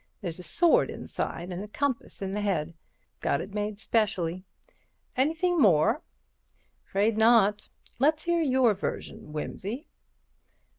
There's a sword inside and a compass in the head. Got it made specially. Anything more?" "Afraid not. Let's hear your version, Wimsey."